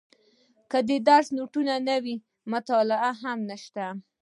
که د درس نوټونه نه وي مطالعه هم نشته.